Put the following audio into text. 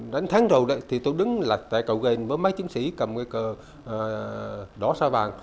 đánh tháng đầu thì tôi đứng tại cầu ghen với mấy chiến sĩ cầm cây cờ đỏ xa vàng